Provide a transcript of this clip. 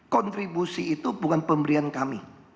kontribusi itu bukan pemberian kami